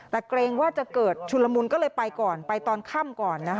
แต่เกรงว่าจะเกิดชุนละมุนก็เลยไปก่อนไปตอนค่ำก่อน